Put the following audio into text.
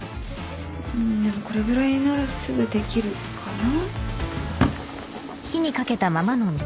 んでもこれぐらいならすぐできるかな。